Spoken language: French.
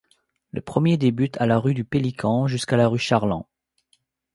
Le premier débute à la rue du Pélican jusqu'à la rue Charland.